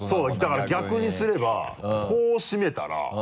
だから逆にすればこうしめたら。